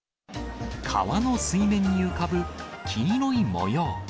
川の水面に浮かぶ黄色いもの。